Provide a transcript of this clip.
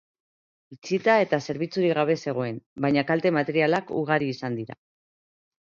Itxita eta zerbitzurik gabe zegoen, baina kalte materialak ugari izan dira.